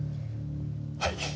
はい。